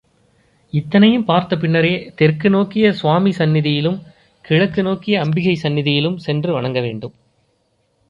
இத்தனையும் பார்த்த பின்னரே தெற்கு நோக்கிய சுவாமி சந்நிதியிலும் கிழக்கு நோக்கிய அம்பிகை சந்நிதியிலும் சென்று வணங்கவேண்டும்.